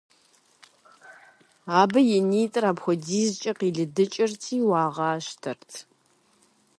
Абы и нитӀыр апхуэдизкӀэ къилыдыкӀырти, уагъащтэрт.